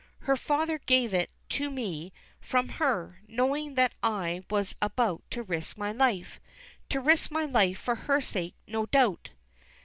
Her father gave it to me from her, knowing that I was about to risk my life to risk my life for her sake, no doubt.